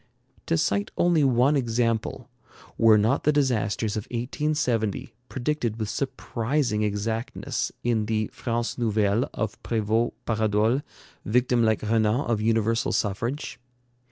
To cite only one example, were not the disasters of 1870 predicted with surprising exactness in the 'France nouvelle' of Prévost Paradol, victim like Renan of universal suffrage?